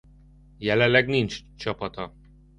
Jelenleg nincs csapata.